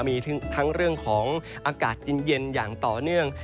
มีทั้งเรื่องของอากาศเย็นอย่างต่อเนื่อง